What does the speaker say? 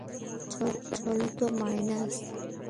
চল তো, মাইনাস।